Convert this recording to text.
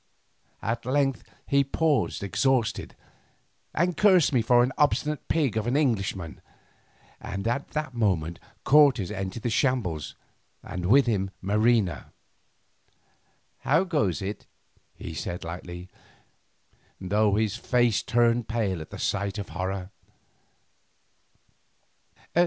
At length he paused exhausted, and cursed me for an obstinate pig of an Englishman, and at that moment Cortes entered the shambles and with him Marina. "How goes it?" he said lightly, though his face turned pale at the sight of horror.